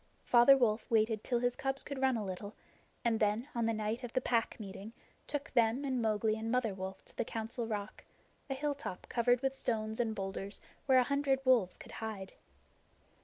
Father Wolf waited till his cubs could run a little, and then on the night of the Pack Meeting took them and Mowgli and Mother Wolf to the Council Rock a hilltop covered with stones and boulders where a hundred wolves could hide.